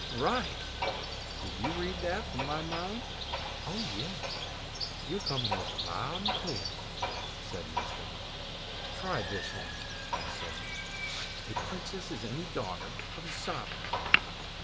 "Right! Did you read that from my mind?" "Oh, yes, you're coming over very clear!" said Mrs. Dunny. "Try this one," I said. "A princess is any daughter of a sovereign.